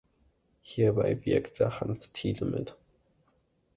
Hierbei wirkte Hans Thiele mit.